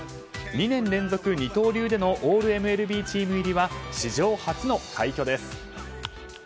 ２年連続二刀流でのオールＭＬＢチーム入りは史上初の快挙です。